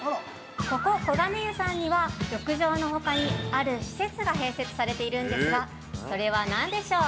ここ黄金湯さんには、浴場のほかに、ある施設が併設されているんですが、それは何でしょう？